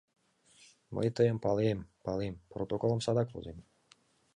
Мый тыйым палем, палем, протоколым садак возем...